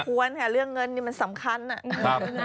คร้วงควรค่ะเรื่องเงินมันสำคัญนะ